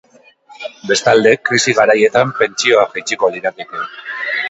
Bestalde, krisi garaietan, pentsioak jaitsiko lirateke.